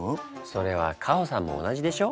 それはカホさんも同じでしょ。